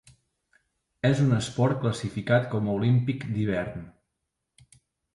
És un esport classificat com a olímpic d'hivern.